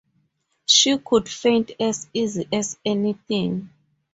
She could faint as easy as anything.